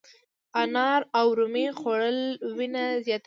انار او رومي خوړل وینه زیاتوي.